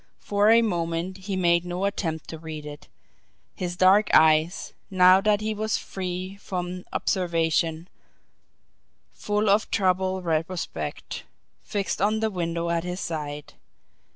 For a moment he made no attempt to read it, his dark eyes, now that he was free from observation, full of troubled retrospect, fixed on the window at his side.